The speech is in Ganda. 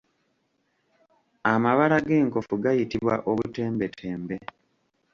Amabala g'enkofu gayitibwa obutembetembe.